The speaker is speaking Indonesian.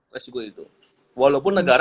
resiko itu walaupun negara